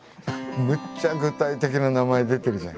めっちゃ具体的な名前出てるじゃん。